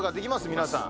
皆さん。